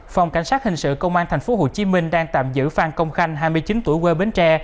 phòng cảnh sát hình sự công an tp hcm đang tạm giữ phan công khanh hai mươi chín tuổi quê bến tre